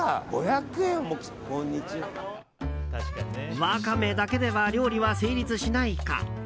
ワカメだけでは料理は成立しないか。